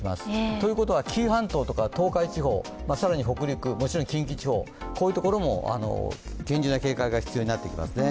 ということは紀伊半島とか東海地方、更に北陸、近畿地方、こういうところも厳重な警戒が必要になってきますね。